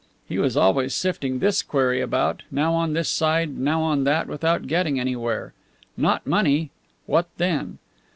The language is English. He was always sifting this query about, now on this side, now on that, without getting anywhere. Not money. What then?